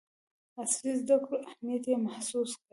عصري زدکړو اهمیت یې محسوس کړ.